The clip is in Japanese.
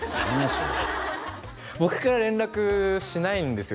それ僕から連絡しないんですよ